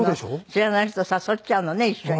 知らない人誘っちゃうのね一緒に。